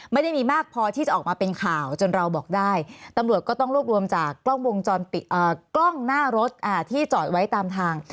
ไม่ได้มีมากพอที่จะออกมาเป็นข่าวจนเราบอกได้ตำรวจก็ต้องรวบรวมจากกล้องวงจรปิดกล้องหน้ารถที่จอดไว้ตามทาง